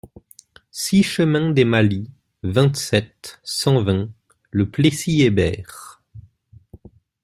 six chemin des Malis, vingt-sept, cent vingt, Le Plessis-Hébert